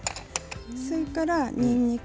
それからにんにく。